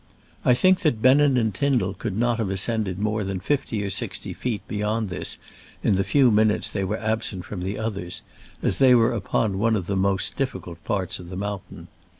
I think that Bennen and Tyndall could not have ascended more than fifty or sixty feet beyond this in the few minutes they were absent from the others, as they were upon one of the most difficult parts of the mountain.